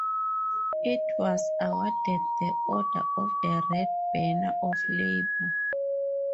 It was awarded the Order of the Red Banner of Labour.